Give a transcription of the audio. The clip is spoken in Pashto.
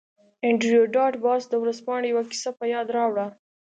انډریو ډاټ باس د ورځپاڼې یوه کیسه په یاد راوړه